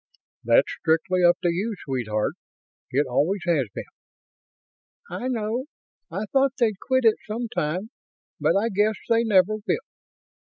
"That's strictly up to you, sweetheart. It always has been." "I know. I thought they'd quit it sometime, but I guess they never will.